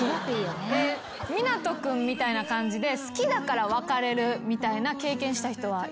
湊斗君みたいな感じで好きだから別れるみたいな経験した人はいますか？